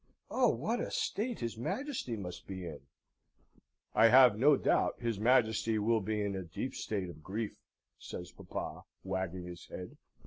Oh, what a state his Majesty must be in!" "I have no doubt his Majesty will be in a deep state of grief," says papa, wagging his head.